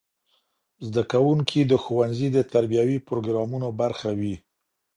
زدهکوونکي د ښوونځي د تربیوي پروګرامونو برخه وي.